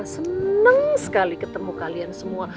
senang sekali ketemu kalian semua